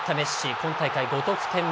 今大会５得点目。